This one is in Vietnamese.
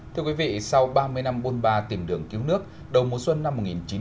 thưa quý vị sau ba mươi năm bôn ba tìm đường cứu nước đầu mùa xuân năm một nghìn chín trăm bảy mươi năm